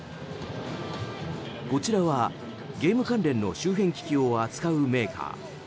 こちらはゲーム関連の周辺機器を扱うメーカー。